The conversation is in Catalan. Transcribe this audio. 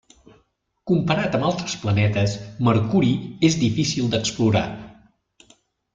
Comparat amb altres planetes, Mercuri és difícil d'explorar.